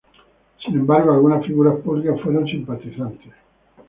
Sin embargo, algunas figuras públicas fueron simpatizantes.